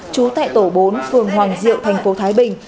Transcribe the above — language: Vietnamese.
chú tệ tổ bốn phường hoàng diệu thành phố thái bình